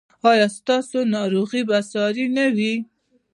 ایا ستاسو ناروغي به ساري نه وي؟